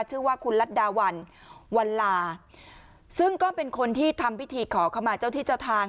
ชื่อว่าคุณรัฐดาวันวันลาซึ่งก็เป็นคนที่ทำพิธีขอเข้ามาเจ้าที่เจ้าทาง